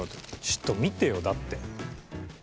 ちょっと見てよだって。